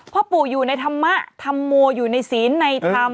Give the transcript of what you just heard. พ่อปู่อยู่ในธรรมะธรรโมอยู่ในศีลในธรรม